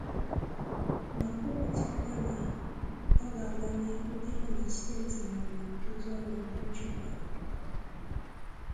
ma kwupụtakwa na ọ ga-aga n'ihu ịhụ na steeti nọ n'ezi ọnọdụ nchekwa.